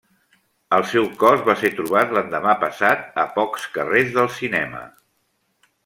El seu cos va ser trobat l'endemà passat a pocs carrers del cinema.